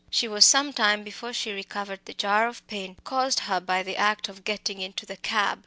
She was some time before she recovered the jar of pain caused her by the act of getting into the cab.